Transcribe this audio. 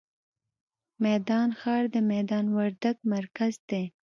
میدان ښار، د میدان وردګ مرکز دی.